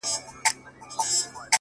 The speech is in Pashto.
د زمان رحم ـ رحم نه دی؛ هیڅ مرحم نه دی;